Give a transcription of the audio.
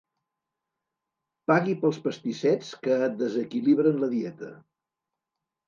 Pagui pels pastissets que et desequilibren la dieta.